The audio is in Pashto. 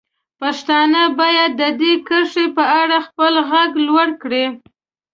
پښتانه باید د دې کرښې په اړه خپل غږ لوړ کړي.